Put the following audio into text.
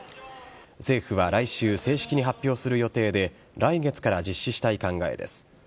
政府は来週正式に発表する予定で来月から実施したい考えです。